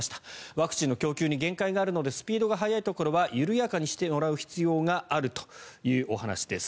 ワクチンの供給に限界があるのでスピードが速いところは緩やかにしてもらう必要があるというお話です。